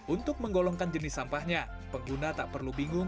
untuk menggolongkan jenis sampahnya pengguna tak perlu bingung